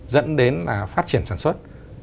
dẫn đến là phát triển sản xuất